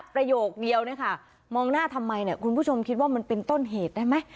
ประโยคเดียวเนี่ยค่ะมองหน้าทำไมเนี่ยคุณผู้ชมคิดว่ามันเป็นต้นเหตุได้ไหม